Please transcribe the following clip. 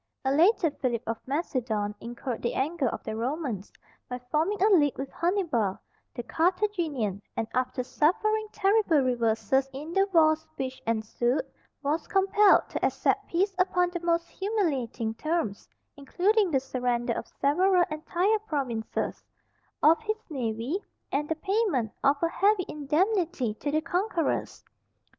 A later Philip of Macedon incurred the anger of the Romans by forming a league with Hannibal, the Carthaginian, and after suffering terrible reverses in the wars which ensued, was compelled to accept peace upon the most humiliating terms, including the surrender of several entire provinces; of his navy, and the payment of a heavy indemnity to the conquerors.